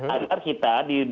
agar kita di